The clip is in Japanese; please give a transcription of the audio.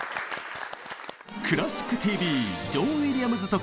「クラシックＴＶ」ジョン・ウィリアムズ特集。